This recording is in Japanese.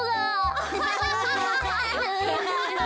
アハハハハ！